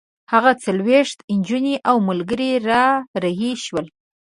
هغه څلوېښت نجونې او ملګري را رهي شول.